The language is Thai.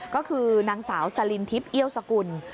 ก็คือนางสาวสลินทิพย์เอี้ยวสกุล